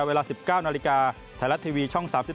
เวลา๑๙นาฬิกาไทยรัฐทีวีช่อง๓๒